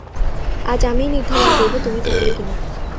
আজ আমিই নির্ধারণ করব তুমি থাকবে কী না।